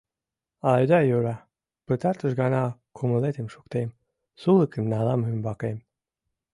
Айда йӧра, пытартыш гана кумылетым шуктем, сулыкым налам ӱмбакем...